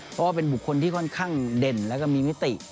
เพราะว่าเป็นบุคคลที่ค่อนข้างเด่นแล้วก็มีมิติ